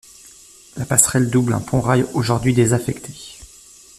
La passerelle double un pont-rail aujourd'hui désaffecté.